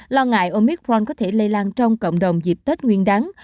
lo ngại omicron có thể lây lan trong cộng đồng dịp tết nguyên đáng